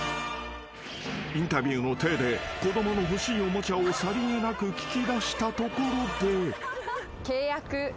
［インタビューの体で子供の欲しいおもちゃをさりげなく聞き出したところで］